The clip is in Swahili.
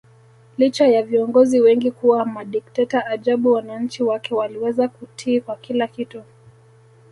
Licha ya viongozi wengi kuwa madikteta ajabu wananchi wake waliweza kutii kwa kila kitu